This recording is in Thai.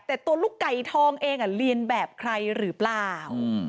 แต่ตัวลูกไก่ทองเองเรียนแบบใครหรือเปล่า